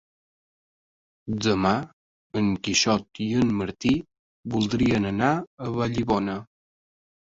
Demà en Quixot i en Martí voldrien anar a Vallibona.